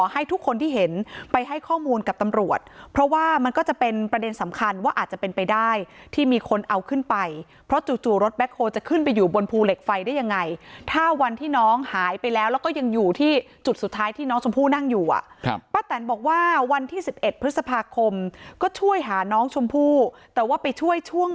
ให้ทุกคนที่เห็นไปให้ข้อมูลกับตำรวจเพราะว่ามันก็จะเป็นประเด็นสำคัญว่าอาจจะเป็นไปได้ที่มีคนเอาขึ้นไปเพราะจู่จู่รถแคลจะขึ้นไปอยู่บนภูเหล็กไฟได้ยังไงถ้าวันที่น้องหายไปแล้วแล้วก็ยังอยู่ที่จุดสุดท้ายที่น้องชมพู่นั่งอยู่อ่ะครับป้าแตนบอกว่าวันที่๑๑พฤษภาคมก็ช่วยหาน้องชมพู่แต่ว่าไปช่วยช่วง